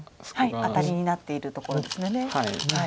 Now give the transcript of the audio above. アタリになっているところですので。